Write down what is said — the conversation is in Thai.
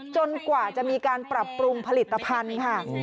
กว่าจะมีการปรับปรุงผลิตภัณฑ์ค่ะ